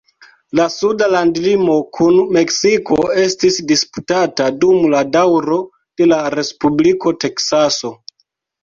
La suda landlimo kun Meksiko estis disputata dum la daŭro de la Respubliko Teksaso.